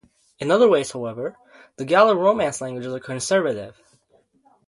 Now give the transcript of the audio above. In other ways, however, the Gallo-Romance languages are conservative.